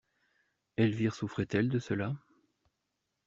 Elvire souffrait-elle de cela?